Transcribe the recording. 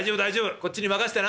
こっちに任してな」。